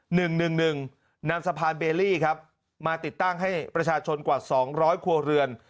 หนึ่งหนึ่งหนึ่งนำสะพานเบลลี่ครับมาติดตั้งให้ประชาชนกว่าสองร้อยครัวเรือน